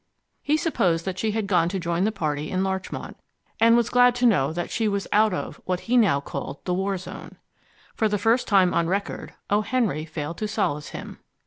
He supposed that she had gone to join the party in Larchmont, and was glad to know that she was out of what he now called the war zone. For the first time on record, O. Henry failed to solace him.